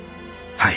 はい。